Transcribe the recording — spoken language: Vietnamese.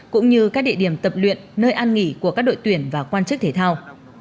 cũng như các địa điểm tập luyện nơi ăn nghỉ của các đội tuyển và quan chức thể thao